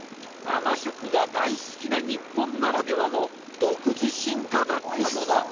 生食が大好きな日本ならではの独自進化だったのだ！